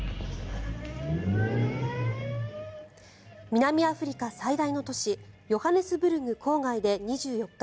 南アフリカ最大の都市ヨハネスブルク郊外で２４日